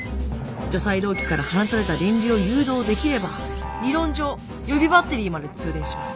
除細動器から放たれた電流を誘導できれば理論上予備バッテリーまで通電します。